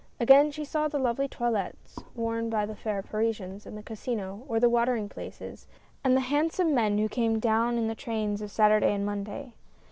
Again she saw the lovely toilettes worn by the fair Parisians at the Casino or the watering places, and the handsome men who came down in the trains of Saturday and Monday.